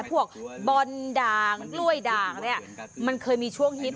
บอลด่างกล้วยด่างเนี่ยมันเคยมีช่วงฮิต